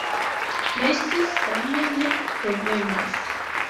Presi same ne problemas.